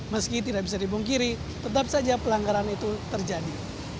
meski tidak bisa dibungkiri tetap saja pelanggaran itu terjadi